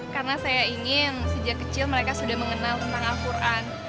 karena saya ingin sejak kecil mereka sudah mengenal tentang al quran